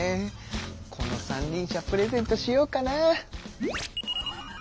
この三輪車プレゼントしようかな。